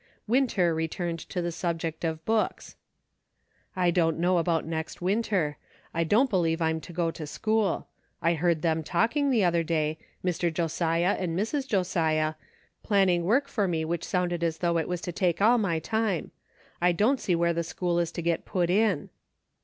Winter returned to the subject of schools. *' I don't know about next winter ; I don't be EIGHT AND TWELVE. 9 lieve I'm to go to school. I heard them talking, the other day, Mr. Josiah and Mrs. Josiah, plan ning work for me which sounded as though it was to take all my time. I don't see where the school is to get put in."